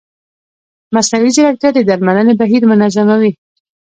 مصنوعي ځیرکتیا د درملنې بهیر منظموي.